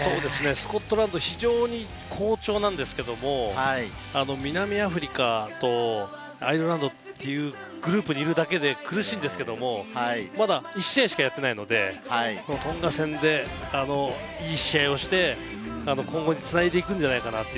スコットランド、非常に好調なんですけれども、南アフリカとアイルランドというグループにいるだけで苦しいんですけれども、まだ１試合しかやってないので、トンガ戦でいい試合をして、今後に繋いでいくんじゃないかなと。